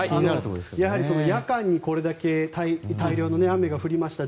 やはり夜間にこれだけ大量の雨が降りました。